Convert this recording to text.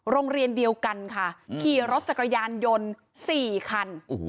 โรงเรียนเดียวกันค่ะขี่รถจักรยานยนต์๔คัน